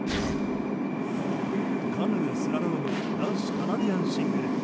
カヌー・スラローム男子カナディアンシングル。